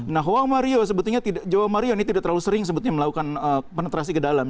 nah juan mario sebetulnya tidak terlalu sering melakukan penetrasi ke dalam